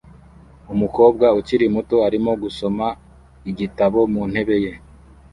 Umukobwa ukiri muto arimo gusoma igitabo mu ntebe ye